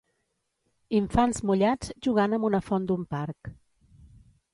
infants mullats jugant amb una font d'un parc